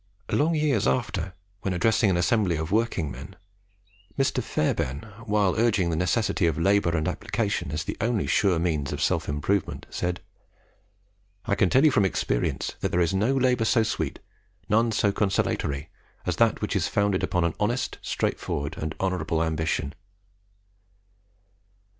Long years after, when addressing an assembly of working men, Mr. Fairbairn, while urging the necessity of labour and application as the only sure means of self improvement, said, "I can tell you from experience, that there is no labour so sweet, none so consolatory, as that which is founded upon an honest, straightforward, and honourable ambition."